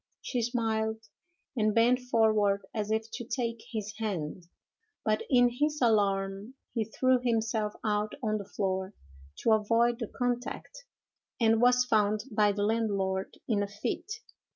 She smiled, and bent forward as if to take his hand; but in his alarm he threw himself out on the floor to avoid the contact, and was found by the landlord in a fit.